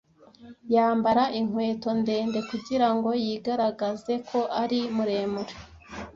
Yambara inkweto ndende kugirango yigaragaze ko ari muremure.